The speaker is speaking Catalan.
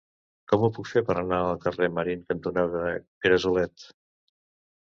Com ho puc fer per anar al carrer Marín cantonada Gresolet?